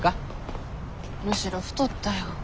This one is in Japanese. むしろ太ったよ。